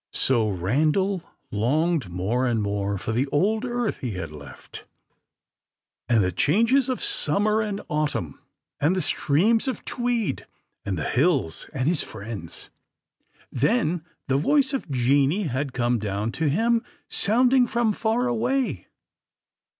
So Randal longed more and more for the old earth he had left, and the changes of summer and autumn? and the streams of Tweed, and the hills, and his friends. Then the voice of Jeanie had come down to him, sounding from far away.